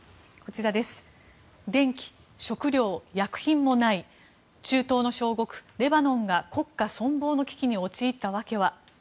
電気、食料、薬品もない中東の小国レバノンが国家存亡の危機に陥ったわけは。